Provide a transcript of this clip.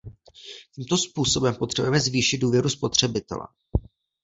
Tímto způsobem potřebujeme zvýšit důvěru spotřebitele.